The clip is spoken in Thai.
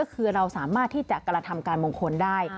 คือเราสามารถที่จะกระทำการมงคลได้